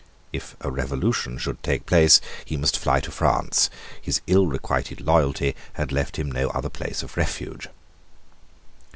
If a revolution should take place he must fly to France. His ill requited loyalty had left him no other place of refuge.